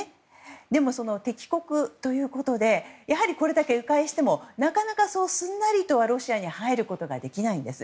でも、敵国ということでやはりこれだけ迂回してもなかなかすんなりとは、ロシアに入ることができないんです。